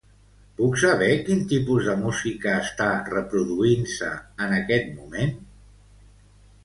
Puc saber quin tipus de música està reproduint-se en aquest moment?